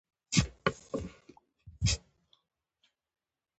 د طیارې کښته کېدل یو حساس عمل دی.